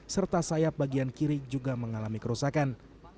serta sayap bagian kiri juga mengalami kerusakan